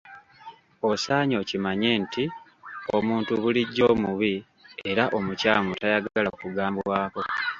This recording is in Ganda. Osaanye okimanye nti omuntu bulijjo "omubi" era "omukyamu" tayagala kugambwako.